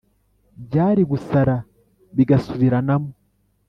Byari gusara bigasubiranamo